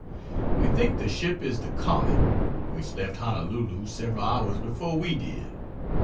We think the ship is the "Comet," which left Honolulu several hours before we did.